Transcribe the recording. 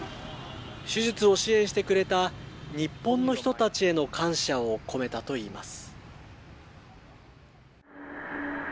手術を支援してくれた日本の人たちへの感謝を込めたといいます。